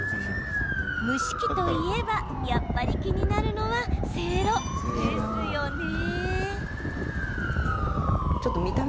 蒸し器といえばやっぱり気になるのはせいろですよね。